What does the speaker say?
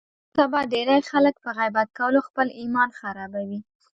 نن سبا ډېری خلک په غیبت کولو خپل ایمان خرابوي.